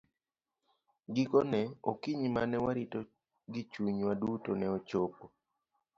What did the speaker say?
Gikone, okinyi ma ne warito gi chunywa duto ne ochopo.